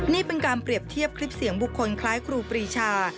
นี่เป็นการเปรียบเทียบคลิปเสียงบุคคลคล้ายครูปรีชา